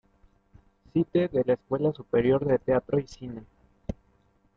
Site de la Escuela Superior de Teatro y Cine